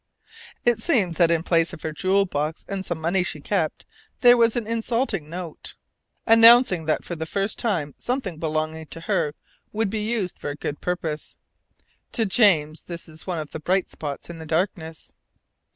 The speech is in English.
It seems that in place of her jewel box and some money she kept there was an insulting note, announcing that for the first time something belonging to her would be used for a good purpose. To James this is the one bright spot in the darkness.